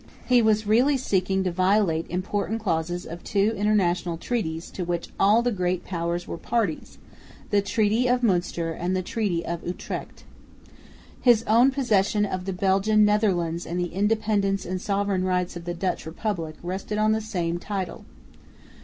He was really seeking to violate important clauses of two international treaties, to which all the great powers were parties, the Treaty of Münster and the Treaty of Utrecht. His own possession of the Belgian Netherlands and the independence and sovereign rights of the Dutch Republic rested on the same title.